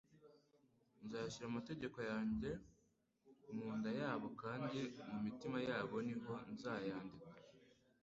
Nzashyira amategeko yanjye mu nda yabo kandi mu mitima yabo ni ho nzayandika